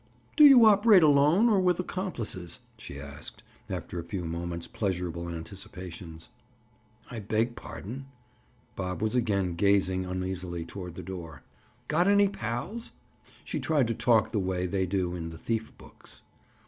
"Do you operate alone, or with accomplices?" she asked, after a few moments' pleasurable anticipations. "I beg pardon?" Bob was again gazing uneasily toward the door. "Got any pals?" She tried to talk the way they do in the thief books.